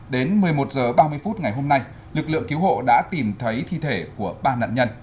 đến một mươi một h ba mươi phút ngày hôm nay lực lượng cứu hộ đã tìm thấy thi thể của ba nạn nhân